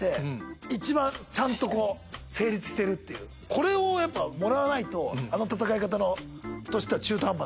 これをもらわないとあの戦い方としては中途半端。